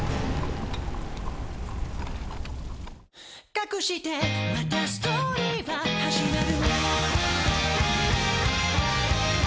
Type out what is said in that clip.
「かくしてまたストーリーは始まる」